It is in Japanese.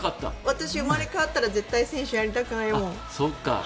私、生まれ変わったら絶対選手、やりたくないもん。